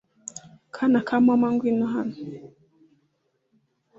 Kana ka mama ngwino hano